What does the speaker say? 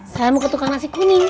saya mau ke tukang nasi kuning